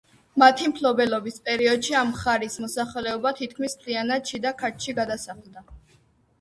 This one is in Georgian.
მათი მფლობელობის პერიოდში ამ მხარის მოსახლეობა თითქმის მთლიანად შიდა ქართლში გადასახლდა.